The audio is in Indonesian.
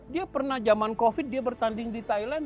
dia pernah zaman covid dia bertanding di thailand